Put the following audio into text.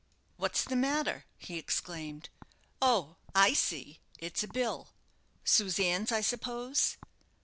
"What's the matter?" he exclaimed. "Oh, I see! it's a bill Susanne's, I suppose?